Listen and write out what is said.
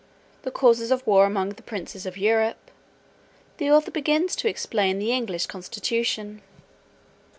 The causes of war among the princes of Europe. The author begins to explain the English constitution.